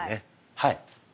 はい。